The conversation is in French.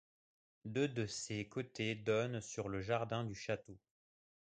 Deux de ses côtés donnent sur les jardins du château.